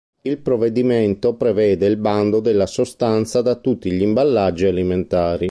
Il provvedimento prevede il bando della sostanza da tutti gli imballaggi alimentari.